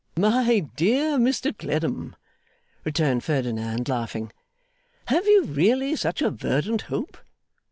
'My dear Mr Clennam,' returned Ferdinand, laughing, 'have you really such a verdant hope?